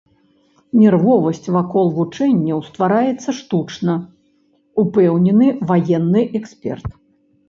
Нервовасць вакол вучэнняў ствараецца штучна, упэўнены ваенны эксперт.